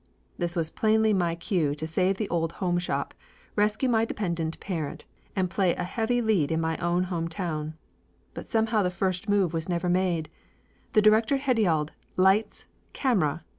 This was plainly my cue to save the old home shop, rescue my dependent parent, and play a heavy lead in my own home town. But somehow the first move was never made. The director had yelled "Lights! Camera!